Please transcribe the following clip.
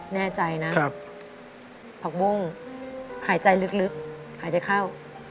แน่ใจนะผักบุ้งหายใจลึกหายใจเข้า